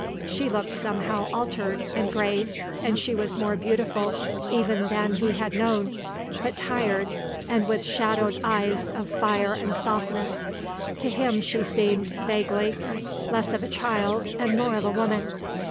She looked somehow altered, and grave, and she was more beautiful even than he had known, but tired, and with shadowed eyes of fire and softness; to him she seemed, vaguely, less of a child, and more of a woman.